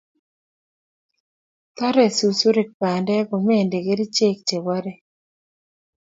Tare susurik bandek komende kerichek che barei